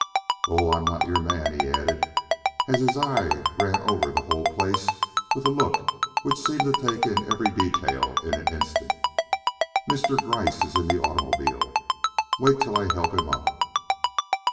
"Oh, I'm not your man," he added as his eye ran over the whole place with a look which seemed to take in every detail in an instant. "Mr. Gryce is in the automobile. Wait till I help him up."